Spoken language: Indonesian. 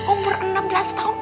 umur enam belas tahun